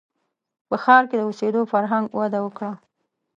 • په ښار کې د اوسېدو فرهنګ وده وکړه.